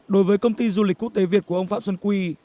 đối với công ty du lịch quốc tế việt của ông phạm xuân quy